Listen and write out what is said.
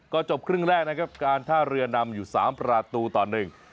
ก็จบครึ่งแรกนะครับการท่าเรือนำอยู่สามประตูต่อหนึ่ง